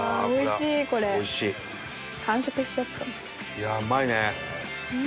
いやうまいね。